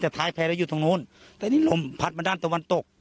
จะถ่ายแพ้แล้วอยู่ตรงนู้นโรงพัดมาด้านตะวันตก